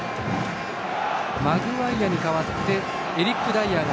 マグワイアに代わってエリック・ダイアー。